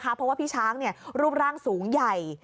เพราะว่าพี่ช้างรูปร่างสูงใหญ่